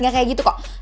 gak kayak gitu kok